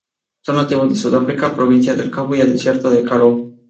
Son nativos de Sudáfrica: Provincia del Cabo y el desierto de Karoo.